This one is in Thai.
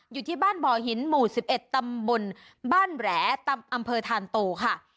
อยู่ที่บ้านบ่อหินหมู่๑๑ตำบลบ้านแหลอำเภอธานโตค่ะ